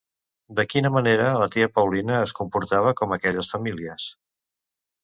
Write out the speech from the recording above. De quina manera la tia Paulina es comportava com aquelles famílies?